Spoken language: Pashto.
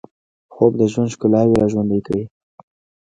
خوب د ژوند ښکلاوې راژوندۍ کوي